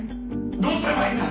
どうすればいいんだ！